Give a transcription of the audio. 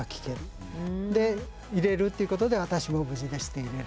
で入れるっていうことで「私も無事です」って入れる。